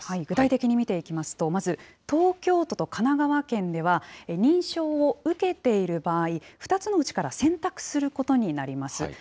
具体的に見ていきますと、まず東京都と神奈川県では、認証を受けている場合、２つのうちから選択することになります。